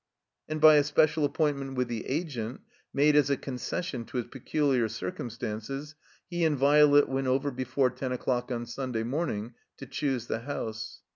And by a special appointment with the Agent, made as a concession to his peculiar circumstances, he and Violet went over before ten o'clock on Stmday morning to choose the house.